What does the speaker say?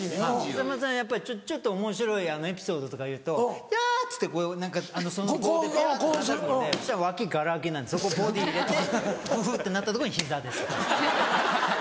さんまさんはやっぱりちょっとおもしろいエピソードとか言うと「ヤ！」っつって何かその棒でぴゃってたたくのでそしたら脇がら空きなんでそこボディー入れてグフってなったところに膝当てですはい。